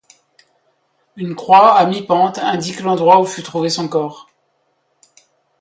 Une croix à mi-pente indique l'endroit où fut trouvé son corps.